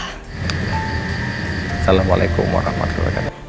assalamualaikum warahmatullahi wabarakatuh